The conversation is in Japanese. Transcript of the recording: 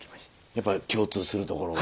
やっぱり共通するところが。